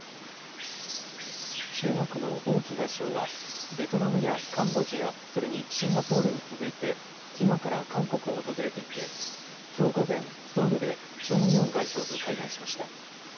中国の王毅外相はベトナムやカンボジア、それにシンガポールに続いてきのうから韓国を訪れていてきょう午前、ソウルでチョン・ウィヨン外相と会談しました。